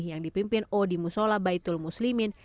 yang dipimpin o di musola baitul muslimin